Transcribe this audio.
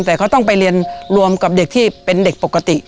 แต่เขาต้องไปเรียนรวมกับเด็กที่เป็นเด็กปกติ